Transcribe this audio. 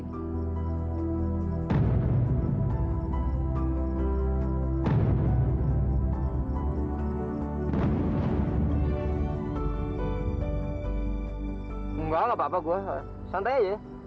enggak enggak apa apa gue santai aja ya